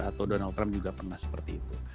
atau donald trump juga pernah seperti itu